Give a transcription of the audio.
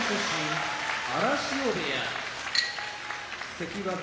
関脇